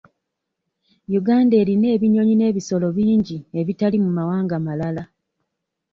Uganda erina ebinyonyi n'ebisolo bingi ebitali mu mawanga malala.